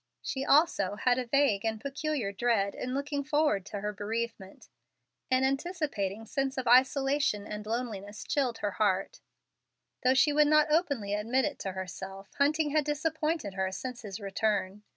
She also had a vague and peculiar dread in looking forward to her bereavement. An anticipating sense of isolation and loneliness chilled her heart. Though she would not openly admit it to herself, Hunting had disappointed her since his return.